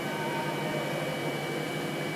আলো কমিয়ে দেওয়াতে ভালো হয়েছে।